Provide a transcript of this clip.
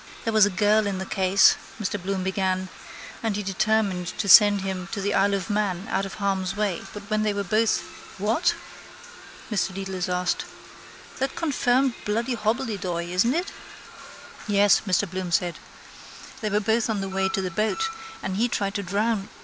—There was a girl in the case, Mr Bloom began, and he determined to send him to the Isle of Man out of harm's way but when they were both..... —What? Mr Dedalus asked. That confirmed bloody hobbledehoy is it? —Yes, Mr Bloom said. They were both on the way to the boat and he tried to drown.....